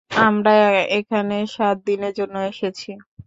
আমরা এখানে সাত দিনের জন্য এসেছি।